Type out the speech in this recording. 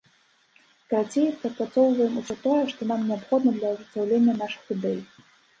Карацей, прапрацоўваем усё тое, што нам неабходна для ажыццяўлення нашых ідэй.